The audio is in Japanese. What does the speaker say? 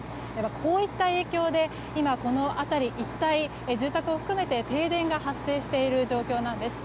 こういった影響で今、この辺り一帯住宅を含めて停電が発生している状況です。